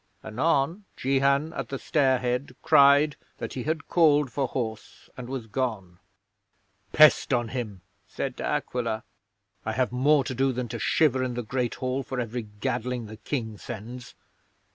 Anon Jehan, at the stair head, cried that he had called for horse, and was gone. "Pest on him!" said De Aquila. "I have more to do than to shiver in the Great Hall for every gadling the King sends.